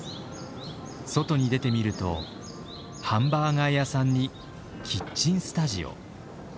外に出てみるとハンバーガー屋さんにキッチンスタジオ。